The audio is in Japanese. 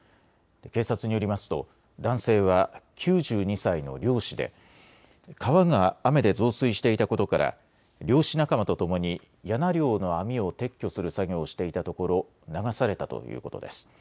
警察によりますと男性は９２歳の漁師で川が雨で増水していたことから漁師仲間とともにヤナ漁の網を撤去する作業をしていたところ流されたということです。